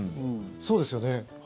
そうですよね。